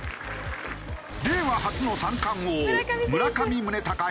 令和初の三冠王村上宗隆や。